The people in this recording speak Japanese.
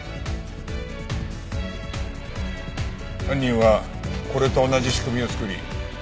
犯人はこれと同じ仕組みを作り